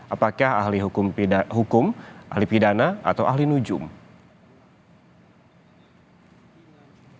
apakah ahli hukum ahli pidana atau ahli nujung